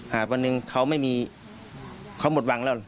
วันหนึ่งเขาไม่มีเขาหมดหวังแล้ว